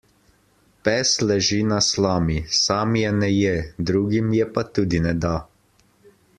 Pes leži na slami; sam je ne je, drugim je pa tudi ne da.